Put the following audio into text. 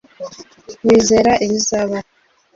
wizera ibizabaho